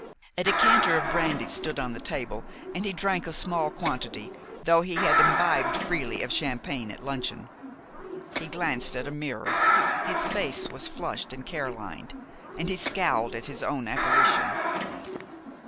A decanter of brandy stood on the table, and he drank a small quantity, though he had imbibed freely of champagne at luncheon. He glanced at a mirror. His face was flushed and care lined, and he scowled at his own apparition.